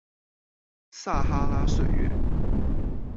撒哈拉歲月